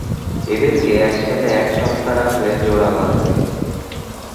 এদেরকে এক সাথে এক সপ্তাহ রাখলে জোড়া বাঁধে।